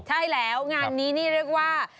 ใช่แล้วงานนี้นี่เรียกว่า